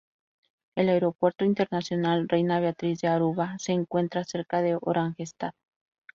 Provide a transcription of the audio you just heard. El Aeropuerto Internacional Reina Beatriz de Aruba se encuentra cerca de Oranjestad.